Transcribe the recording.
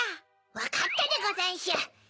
わかったでござんしゅ。